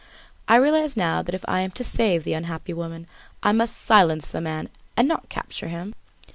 I realise now that if I am to save the unhappy lady, I must silence the man and not capture him.